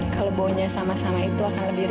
kalau bau nya sama sama itu akan berubah menjadi berat